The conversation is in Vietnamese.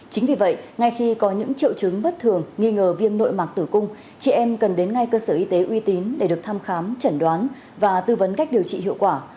chính vì vậy ngay khi có những triệu chứng bất thường nghi ngờ viêm nội mạc tử cung chị em cần đến ngay cơ sở y tế uy tín để được thăm khám chẩn đoán và tư vấn cách điều trị hiệu quả